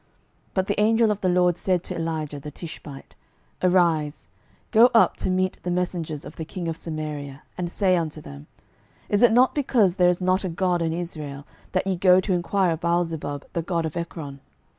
12:001:003 But the angel of the LORD said to Elijah the Tishbite, Arise, go up to meet the messengers of the king of Samaria, and say unto them, Is it not because there is not a God in Israel, that ye go to enquire of Baalzebub the god of Ekron?